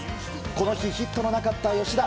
この日、ヒットのなかった吉田。